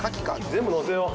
全部のせよう。